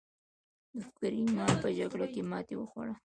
د کریمیا په جګړه کې ماتې وخوړه.